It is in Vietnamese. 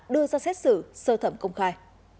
đưa ra xét xử sơ thẩm công khai